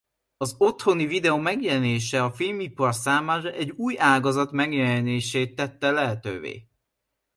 Az otthoni videó megjelenése a filmipar számára egy új ágazat megjelenését tette lehetővé.